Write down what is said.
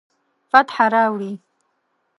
فتح راوړي